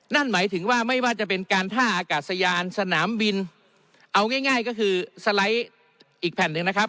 นั่นหมายถึงว่าไม่ว่าจะเป็นการท่าอากาศยานสนามบินเอาง่ายก็คือสไลด์อีกแผ่นหนึ่งนะครับ